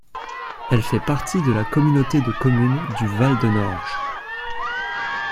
Elle fait partie de la communauté de communes du Val de Norge.